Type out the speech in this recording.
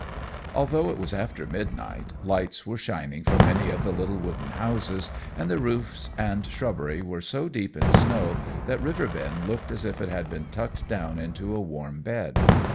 Although it was after midnight, lights were shining from many of the little wooden houses, and the roofs and shrubbery were so deep in snow that Riverbend looked as if it had been tucked down into a warm bed.